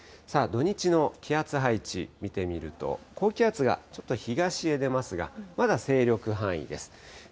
土日の気圧配置見てみると、高気圧がちょっと東へ出ますが、まだ勢力範囲です。